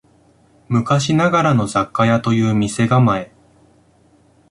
昔ながらの雑貨屋という店構え